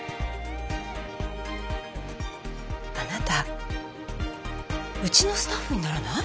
あなたうちのスタッフにならない？